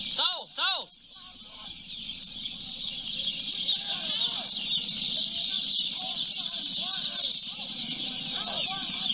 โชว์